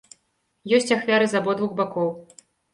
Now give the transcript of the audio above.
Ёсць ахвяры з абодвух бакоў.